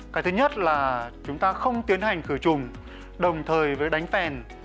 cái thứ nhất là chúng ta không tiến hành khử trùng đồng thời với đánh phèn